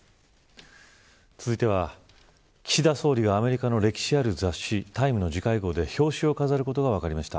続いては、岸田総理がアメリカの歴史ある雑誌タイムの次回号で表紙を飾ることが分かりました。